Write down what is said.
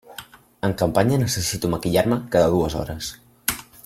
En campanya necessito maquillar-me cada dues hores.